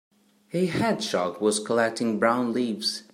A hedgehog was collecting brown leaves.